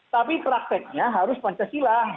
tapi prakteknya harus pancasila